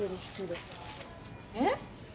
えっ？